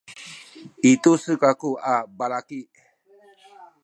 i tu-se tu lecuhen a balaki